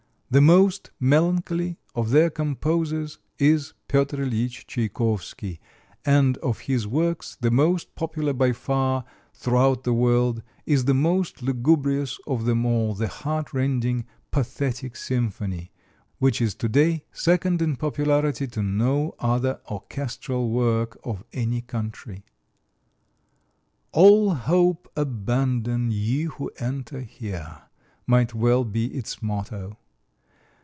The most melancholy of their composers is Peter Ilich Tchaikovsky, and of his works the most popular by far, throughout the world, is the most lugubrious of them all, the heart rending "Pathetic Symphony," which is today second in popularity to no other orchestral work of any country. "All hope abandon, ye who enter here," might well be its motto.